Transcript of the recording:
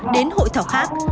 đến hội thảo khác